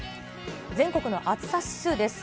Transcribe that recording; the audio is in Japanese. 全国の暑さ指数です。